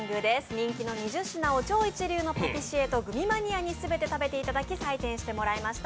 人気の２０品を超一流のパティシエとグミマニアに全て食べていただき採点してもらいました。